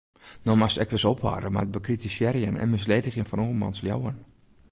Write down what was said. No moatst ek ris ophâlde mei it bekritisearjen en misledigjen fan oarmans leauwen.